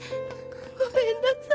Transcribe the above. ごめんなさい。